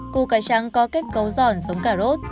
củ cải trắng có kết cấu giòn giống cà rốt